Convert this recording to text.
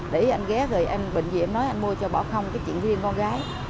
để ý anh ghé rồi em bệnh gì em nói anh mua cho bỏ không cái chuyện riêng con gái